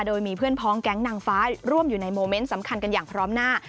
โดยมีเพื่อนพ้องแก๊งนางฟ้าร่วมอยู่ในโมเมนต์สำคัญกันอย่างพร้อมหน้า